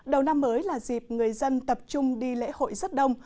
đầu năm mới là dịp người dân tập trung đi lễ hội rất đông